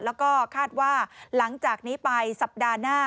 แล้วก็คาดว่าหลังจากนี้ไปสัปดาห์หน้า